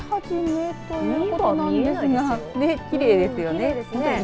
きれいですよね。